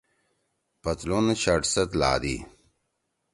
پتلُون شرٹ سیت لھادی۔